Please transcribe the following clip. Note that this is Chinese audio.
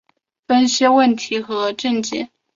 分析问题和症结